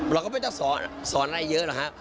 เราก็ไม่ต้องสอนอะไรเยอะหรอกครับ